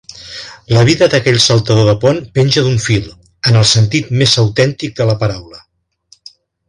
La vida d'aquell saltador de pont penja d'un fil, en el sentit més autèntic de la paraula.